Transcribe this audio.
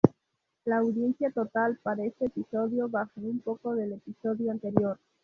La audiencia total para este episodio bajó un poco del episodio anterior.